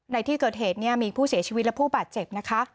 ในที่เกิดเหตุเนี่ยมีผู้เสียชีวิตและผู้บาดเจ็บนะคะ